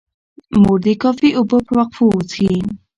مور دې کافي اوبه په وقفو وڅښي.